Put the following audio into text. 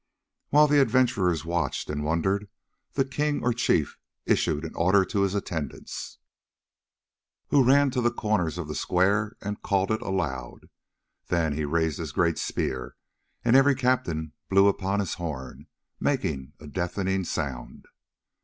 While the adventurers watched and wondered, the king or chief issued an order to his attendants, who ran to the corners of the square and called it aloud. Then he raised his great spear, and every captain blew upon his horn, making a deafening sound.